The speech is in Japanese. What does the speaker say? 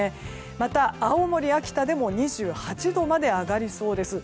また、青森や秋田でも２８度まで上がりそうです。